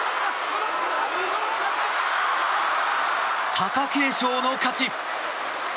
貴景勝の勝ち。